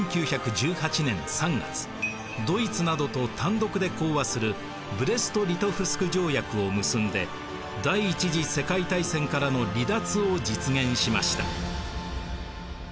１９１８年３月ドイツなどと単独で講和するブレスト・リトフスク条約を結んで第一次世界大戦からの離脱を実現しました。